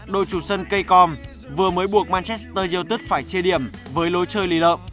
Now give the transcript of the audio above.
đội chủ sân k com vừa mới buộc manchester united phải chia điểm với lối chơi lì lợm